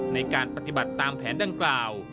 ในการปฏิบัติตามแผนดังกล่าว